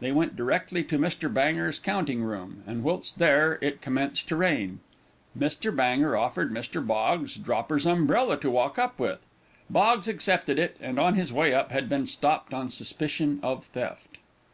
They went directly to Mr. Banger's counting room, and whilst there it commenced to rain; Mr. Banger offered Mr. Boggs Dropper's umbrella to walk up with, Boggs accepted it, and on his way up had been stopped on suspicion of theft.